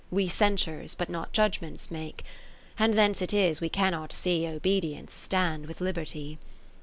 We censures, but not judgements, make ; 9° And thence it is we cannot see Obedience stand with liberty.